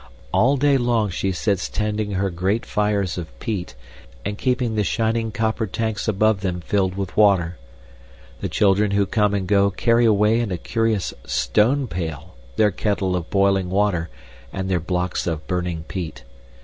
All day long she sits tending her great fires of peat and keeping the shining copper tanks above them filled with water. The children who come and go carry away in a curious stone pail their kettle of boiling water and their blocks of burning peat.